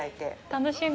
楽しみ。